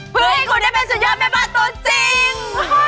เพื่อให้คุณได้เป็นสุดยอดแม่บ้านตัวจริง